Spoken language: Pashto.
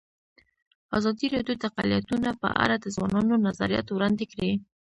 ازادي راډیو د اقلیتونه په اړه د ځوانانو نظریات وړاندې کړي.